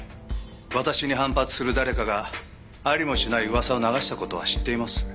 私に反発する誰かがありもしない噂を流した事は知っています。